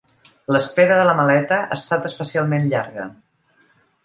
L'espera de la maleta ha estat especialment llarga.